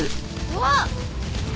うわっ！